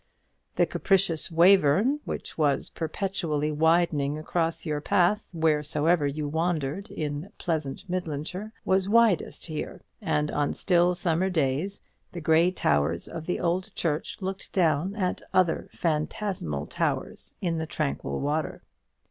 The capricious Wayverne, which was perpetually winding across your path wheresoever you wandered in pleasant Midlandshire, was widest here; and on still summer days the grey towers of the old church looked down at other phantasmal towers in the tranquil water.